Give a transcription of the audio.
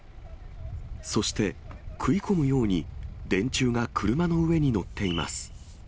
そして、食い込むように電柱が車の上に載っています。